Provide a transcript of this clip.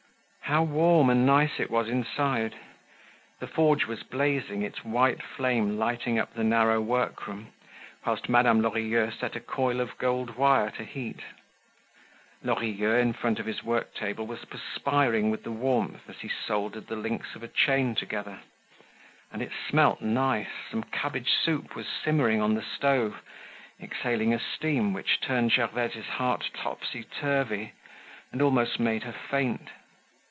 How warm and nice it was inside. The forge was blazing, its white flame lighting up the narrow workroom, whilst Madame Lorilleux set a coil of gold wire to heat. Lorilleux, in front of his worktable, was perspiring with the warmth as he soldered the links of a chain together. And it smelt nice. Some cabbage soup was simmering on the stove, exhaling a steam which turned Gervaise's heart topsy turvy, and almost made her faint.